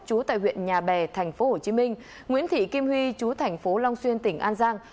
chú tại huyện nhà bè thành phố hồ chí minh nguyễn thị kim huy chú thành phố long xuyên tỉnh an giang